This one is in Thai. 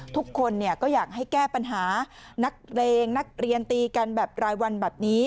ทุกคนก็อยากให้แก้ปัญหานักเลงนักเรียนตีกันแบบรายวันแบบนี้